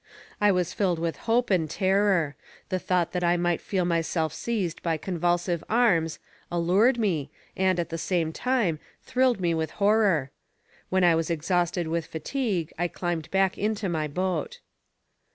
I was filled with hope and terror; the thought that I might feel myself seized by convulsive arms, allured me and, at the same time, thrilled me with horror; when I was exhausted with fatigue, I climbed back into my boat.